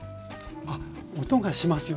あっ音がしますよ